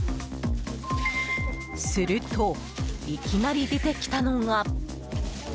すると、いきなり出てきたのが。